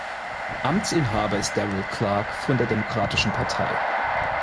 Amtsinhaber ist Darrell Clarke von der Demokratischen Partei.